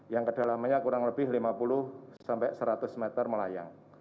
yang kedalamannya kurang lebih lima puluh sampai seratus meter melayang